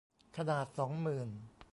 ขนาดสองหมื่น